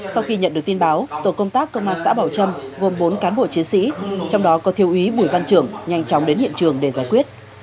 sau khi nhận được tin báo tổ công tác công an xã bảo trâm gồm bốn cán bộ chiến sĩ trong đó có thiêu úy bùi văn trưởng nhanh chóng đến hiện trường để giải quyết